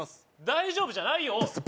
大丈夫じゃないよ